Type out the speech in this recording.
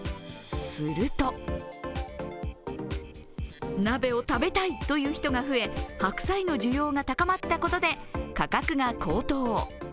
すると、鍋を食べたいという人が増え白菜の需要が高まったことで価格が高騰。